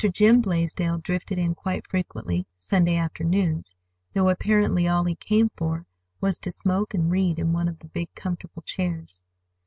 Jim Blaisdell drifted in quite frequently Sunday afternoons, though apparently all he came for was to smoke and read in one of the big comfortable chairs.